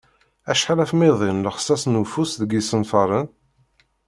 Acḥal afmiḍi n lexsas n ufus deg yisenfaren?